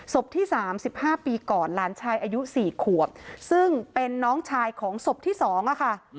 ศพที่๓๕ปีก่อนหลานชายอายุ๔ขวบซึ่งเป็นน้องชายของศพที่๒ค่ะ